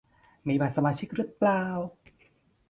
มีบัตรสมาชิกรึเปล่า